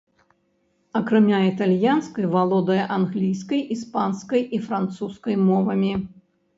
Акрамя італьянскай, валодае англійскай, іспанскай і французскай мовамі.